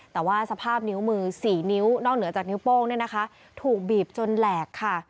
แต่ว่าสภาพนิ้วมือ๔นิ้วนอกเหนือจากนิ้วโป้งเนี่ยนะคะถูกบีบจนแหลกค่ะ